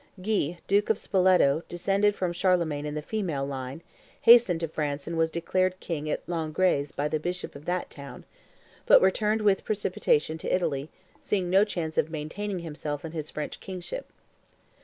Guy, duke of Spoleto, descended from Charlemagne in the female line, hastened to France and was declared king at Langres by the bishop of that town, but returned with precipitation to Italy, seeing no chance of maintaining himself in his French kingship.